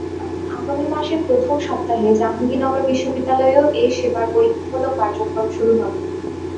আগামী মাসের প্রথম সপ্তাহে জাহাঙ্গীরনগর বিশ্ববিদ্যালয়েও এই সেবার পরীক্ষামূলক কার্যক্রম শুরু হবে।